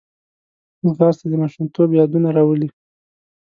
ځغاسته د ماشومتوب یادونه راولي